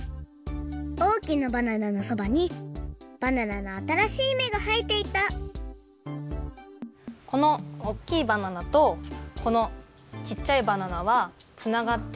おおきなバナナのそばにバナナのあたらしいめがはえていたこのおっきいバナナとこのちっちゃいバナナはつながっていて。